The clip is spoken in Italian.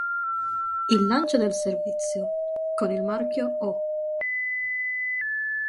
Il lancio del servizio, con il marchio "ho.